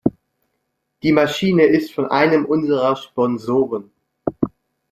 Die Maschine ist von einem unserer Sponsoren.